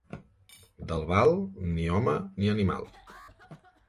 D'Albal, ni home ni animal.